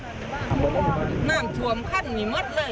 น้ำชวมข้านอนฉันหมดเลย